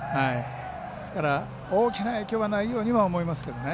ですから、大きな影響はないようには思いますけどね。